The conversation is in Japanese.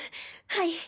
はい。